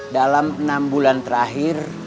dalam enam bulan terakhir